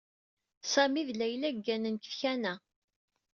Sami d Layla gganen deg tkanna.